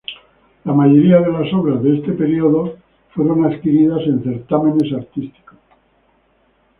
La mayoría de las obras de este período fueron adquiridas en certámenes artísticos.